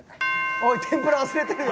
おい天ぷら忘れてるよ。